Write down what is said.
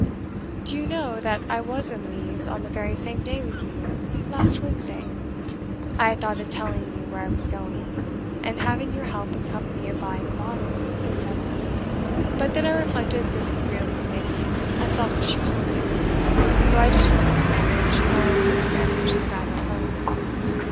"Do you know that I was in Leeds on the very same day with you last Wednesday? I had thought of telling you where I was going, and having your help and company in buying a bonnet, etc., but then I reflected this would merely be making a selfish use of you, so I determined to manage or mismanage the matter alone.